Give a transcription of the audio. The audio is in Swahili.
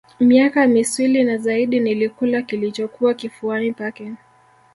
Miaka miswili na zaidi nilikula kilichokuwa kifuani pake